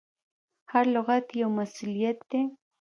هر لغت یو مسؤلیت دی.